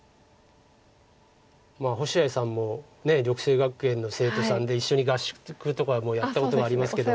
星合さんも緑星学園の生徒さんで一緒に合宿とかもやったことありますけど。